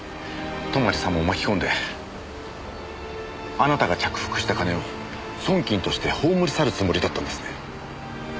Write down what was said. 泊さんも巻き込んであなたが着服した金を損金として葬り去るつもりだったんですね。